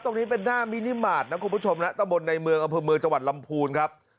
ตรงนี้เป็นหน้ามินิมาตรนะคุณผู้ชมนะตะบนในเมืองอำเภอเมืองจังหวัดลำพูนครับ